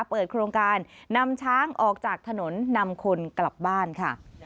เปิดโครงการนำช้างออกจากถนนนำคนกลับบ้านค่ะ